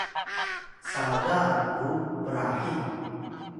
sara ru prahit